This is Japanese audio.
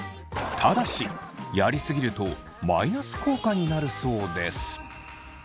ただしやりすぎるとマイナス効果になるそうです。